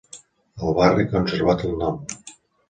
El barri ha conservat el nom.